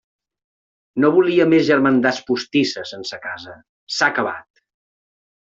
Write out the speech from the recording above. No volia més germandats postisses en sa casa: s'ha acabat.